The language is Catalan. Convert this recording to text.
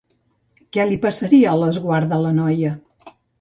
Què li passaria a l'esguard de la noia?